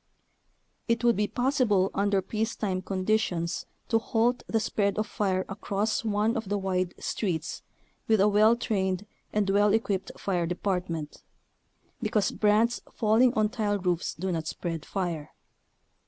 It would be possible under peacetime conditions to halt the spread of fire across one of the wide streets with a well trained and well equipped fire department, because brands fall ing on tile roofs do not spread fire.